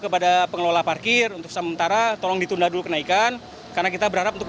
kepada pengelola parkir untuk sementara tolong ditunda dulu kenaikan karena kita berharap untuk